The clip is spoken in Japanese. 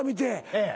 ええ。